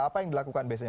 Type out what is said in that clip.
apa yang dilakukan biasanya